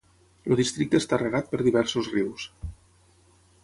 El districte està regat per diversos rius.